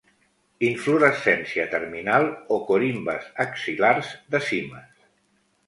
Inflorescència terminal o corimbes axil·lars de cimes.